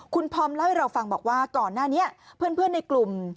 คุณพร้อมเล่าให้เราฟังบอกว่าก่อนหน้านี้เพื่อนในกลุ่ม